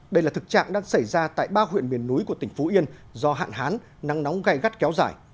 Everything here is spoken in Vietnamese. đây là thực trạng đang xảy ra tại ba huyện miền núi của tỉnh phú yên do hạn hán nắng nóng gai gắt kéo dài